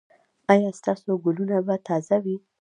ایا ستاسو ګلونه به تازه وي؟